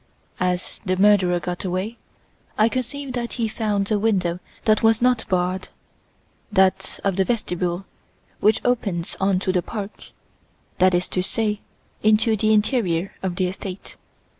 As the murderer got away, I conceive that he found a window that was not barred, that of the vestibule, which opens on to the park, that is to say, into the interior of the estate.